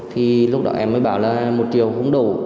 thì lúc đó em mới bảo là một triệu không đủ